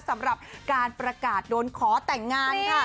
สำหรับการประกาศโดนขอแต่งงานค่ะ